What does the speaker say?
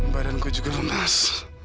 badanku juga lemas